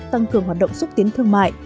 tăng cường hoạt động xúc tiến thương mại